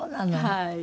はい。